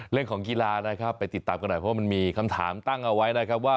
เรื่องของกีฬานะครับไปติดตามกันหน่อยเพราะมันมีคำถามตั้งเอาไว้นะครับว่า